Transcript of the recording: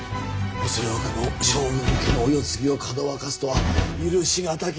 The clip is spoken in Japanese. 恐れ多くも将軍家のお世継ぎをかどわかすとは許しがたき